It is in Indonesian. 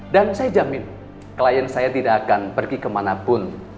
dan saya jamin klien saya tidak akan pergi kemanapun